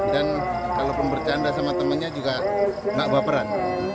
dan kalau pembercanda sama temannya juga enggak baperan